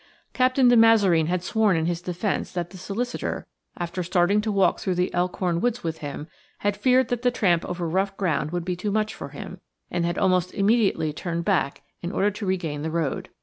Captain de Mazareen had sworn in his defence that the solicitor, after starting to walk through the Elkhorn woods with him, had feared that the tramp over rough ground would be too much for him, and had almost immediately turned back in order to regain the road.